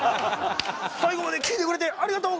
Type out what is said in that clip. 最後まで聴いてくれてありがとう！